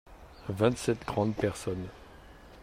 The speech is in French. Vingt-sept grandes personnes.